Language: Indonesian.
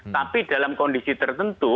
tapi dalam kondisi tertentu